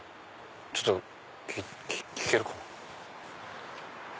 ちょっと聞けるかな。